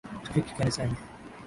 Tufike kanisani